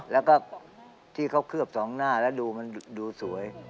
แล้วก็ที่เขาเคลือบสองหน้าแล้วดูมันดูสวย